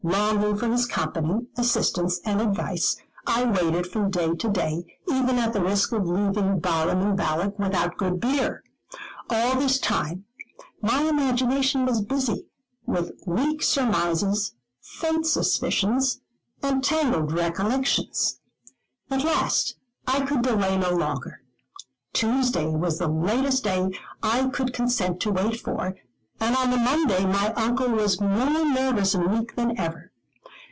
Longing for his company, assistance, and advice, I waited from day to day, even at the risk of leaving Balaam and Balak without good beer. All this time, my imagination was busy with weak surmises, faint suspicions, and tangled recollections. At last, I could delay no longer. Tuesday was the latest day I could consent to wait for, and on the Monday my Uncle was more nervous and weak than ever.